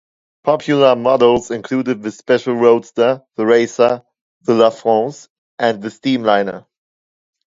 Popular models included the Special Roadster, the Racer, the LaFrance, and the Streamliner.